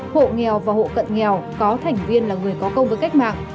hộ nghèo và hộ cận nghèo có thành viên là người có công với cách mạng